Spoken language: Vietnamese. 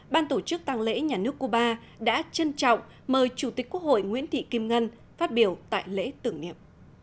ban tổ chức tăng lễ nhà nước cuba đã trân trọng mời chủ tịch quốc hội nguyễn thị kim ngân phát biểu tại lễ tưởng niệm